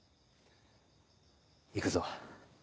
行くぞ。